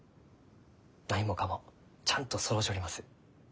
何もかもちゃんとそろうちょります。